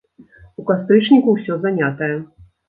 У кастрычніку усё занятае.